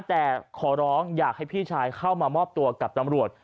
แต่ขอร้องอยากให้พี่ชายเข้ามามอบตัวกับตำรวจ